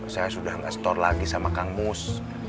sudah gak store lagi sama kang mus